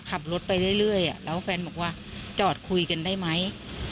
ขับรถไปเรื่อยแล้วแฟนบอกว่าจอดคุยกันได้ไหม